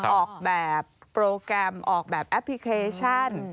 ออกแบบโปรแกรมออกแบบแอปพลิเคชัน